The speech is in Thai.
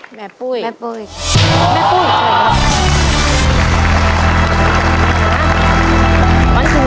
ครอบครัวของแม่ปุ้ยจังหวัดสะแก้วนะครับ